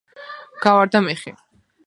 გავარდა მეხი